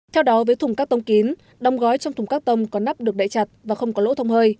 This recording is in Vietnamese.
theo đó với thùng các tông kín đóng gói trong thùng các tông có nắp được đậy chặt và không có lỗ thông hơi